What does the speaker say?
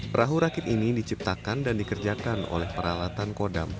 perahu rakit ini diciptakan dan dikerjakan oleh peralatan kodam